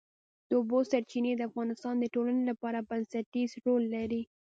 د اوبو سرچینې د افغانستان د ټولنې لپاره بنسټيز رول لري.